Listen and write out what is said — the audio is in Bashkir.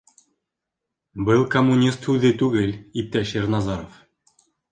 Был коммунист һүҙе түгел, иптәш Ирназаров!